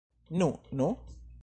Nu, nu?